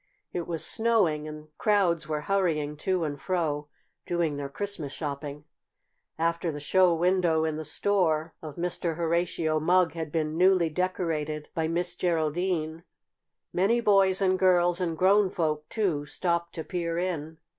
It was snowing, and crowds were hurrying to and fro, doing their Christmas shopping. After the show window in the store of Mr. Horatio Mugg had been newly decorated by Miss Geraldine, many boys and girls and grown folk, too, stopped to peer in.